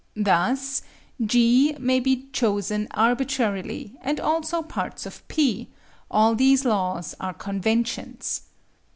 Thus (G) may be chosen arbitrarily, and also parts of (P); all these laws are conventions.